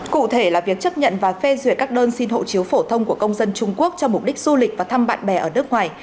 cụ thể là việc chấp nhận và phê duyệt các đơn xin hộ chiếu phổ thông của công dân trung quốc cho mục đích du lịch và thăm bạn bè ở nước ngoài